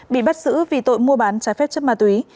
bị bắt giữ vì tội mua bán trái phép chất ma túy